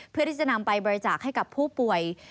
เพื่อที่จะนำไปบริจาคให้กับผู้ป่วย